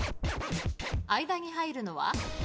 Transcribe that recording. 間に入るのは？